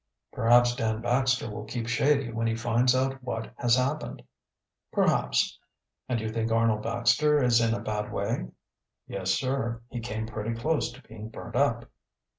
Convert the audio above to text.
"Perhaps Dan Baxter will keep shady when he finds out what has happened." "Perhaps. And you think Arnold Baxter is in a bad way?" "Yes, sir. He came pretty close to being burnt up."